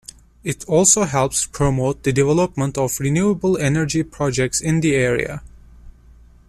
It also helps promote the development of renewable energy projects in the area.